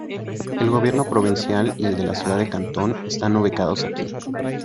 El gobierno provincial y el de la ciudad de Cantón están ubicados aquí.